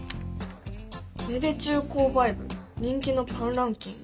「芽出中購買部人気のパンランキング」？